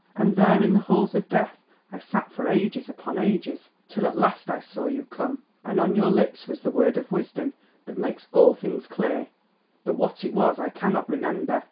And there in the Halls of Death I sat for ages upon ages, till at last I saw you come, and on your lips was the word of wisdom that makes all things clear, but what it was I cannot remember.